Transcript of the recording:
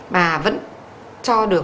và vẫn cho được